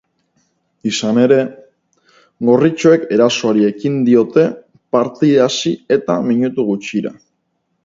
Izan ere, gorritxoek erasoari ekin diote partida hasi eta minutu gutxira.